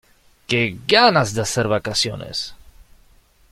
Qué ganas de hacer vacaciones.